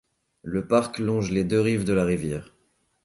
Le parc longe les deux rives de la rivière.